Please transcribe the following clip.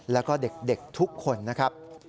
แล้วก็เด็กทุกคนนะครับ